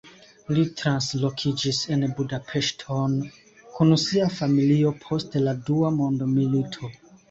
Li translokiĝis en Budapeŝton kun sia familio post la dua mondmilito.